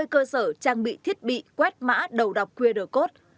một trăm năm mươi cơ sở trang bị thiết bị quét mã đầu đọc qr code